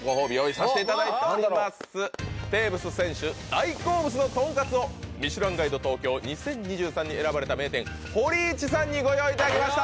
大好物のトンカツを「ミシュランガイド東京２０２３」に選ばれた名店「ほり壱」さんにご用意いただきました！